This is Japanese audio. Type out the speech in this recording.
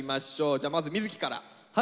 じゃあまず瑞稀から。